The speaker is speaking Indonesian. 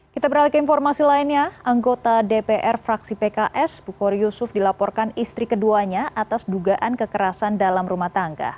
kita beralih ke informasi lainnya anggota dpr fraksi pks bukhari yusuf dilaporkan istri keduanya atas dugaan kekerasan dalam rumah tangga